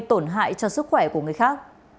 tổn hại cho sức khỏe của người khác